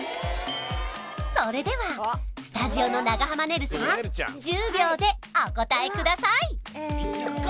それではスタジオの長濱ねるさん１０秒でお答えくださいえっと